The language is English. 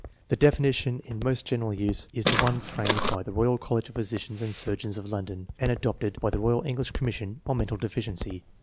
The definition in most general use is the one framed by the Royal College of Physicians and Surgeons of London, and adopted by the English Royal Commission on Mental Deficiency.